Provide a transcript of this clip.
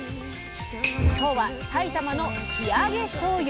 今日は埼玉の「生揚げしょうゆ」。